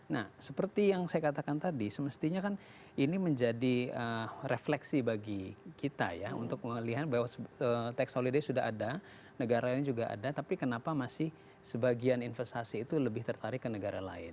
nah seperti yang saya katakan tadi semestinya kan ini menjadi refleksi bagi kita ya untuk melihat bahwa tax holiday sudah ada negara lain juga ada tapi kenapa masih sebagian investasi itu lebih tertarik ke negara lain